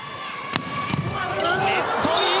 ネットイン。